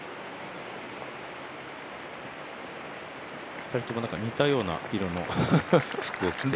２人とも似たような色の服を着ていて。